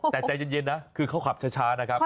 แต่ใจเย็นนะคือเขาขับช้านะครับ